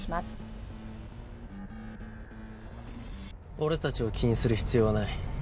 俺たちを気にする必要はない。